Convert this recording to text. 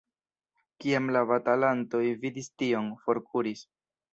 Kiam la batalantoj vidis tion, forkuris.